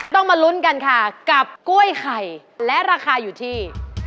มาลุ้นกันค่ะกับกล้วยไข่และราคาอยู่ที่